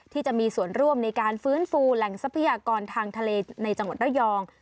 ที่มีส่วนร่วมในการฟื้นฟูแหล่งทรัพยากรทางทะเลในจังหวัดระยอง